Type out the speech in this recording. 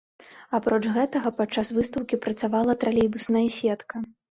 Апроч гэтага падчас выстаўкі працавала тралейбусная сетка.